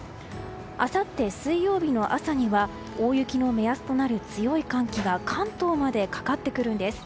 あさって水曜日の朝には大雪の目安となる強い寒気が関東までかかってくるんです。